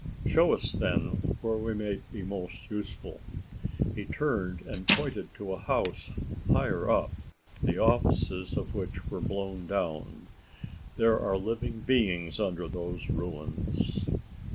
"Show us, then, where we may be most useful." He turned and pointed to a house higher up, the offices of which were blown down. "There are living beings under those ruins."